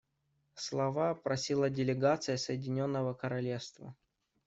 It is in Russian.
Слова просила делегация Соединенного Королевства.